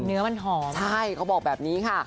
เนื้อมันหอมใช่เขาบอกแบบนี้ค่ะ